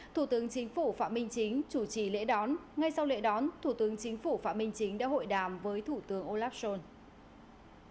thủ tướng chính phủ phạm minh chính chủ trì lễ đón ngay sau lễ đón thủ tướng chính phủ phạm minh chính đã hội đàm với thủ tướng olaf schol